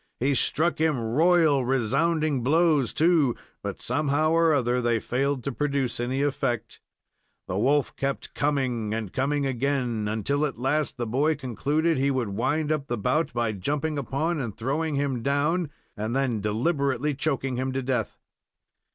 He struck him royal, resounding blows, too, but, somehow or other, they failed to produce any effect. The wolf kept coming and coming again, until, at last, the boy concluded he would wind up the bout by jumping upon, and throwing him down, and then deliberately choking him to death.